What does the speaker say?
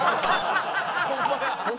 ホンマや！